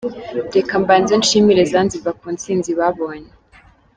Reka mbanze nshimire Zanzibar ku ntsinzi babonye.